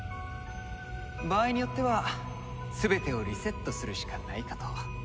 場合によっては全てをリセットするしかないかと。